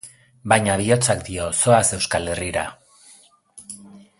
Baina bihotzak dio, zoaz Euskal Herrira.